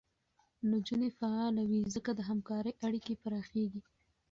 نجونې فعاله وي، ځکه د همکارۍ اړیکې پراخېږي.